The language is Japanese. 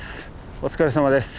お疲れさまです。